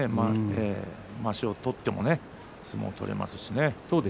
まわしを取っても相撲が取れますしね。